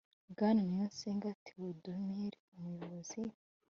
Bwana niyonsenga theodomir umuyobozi